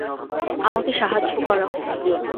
আমাকে সাহায্য কর।